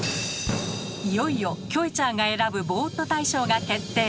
いよいよキョエちゃんが選ぶボーっと大賞が決定。